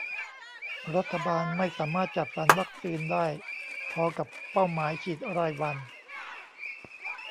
รัฐบาลไม่สามารถจัดสรรวัคซีนได้พอกับเป้าหมายฉีดรายวัน